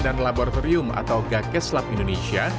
dan laboratorium atau gakes lab indonesia